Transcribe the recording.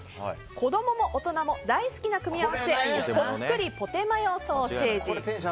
子供も大人も大好きな組み合わせほっくりポテマヨソーセージ。